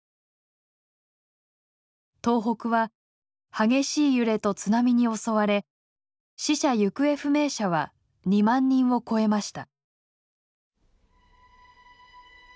東北は激しい揺れと津波に襲われ死者行方不明者は２万人を超えました。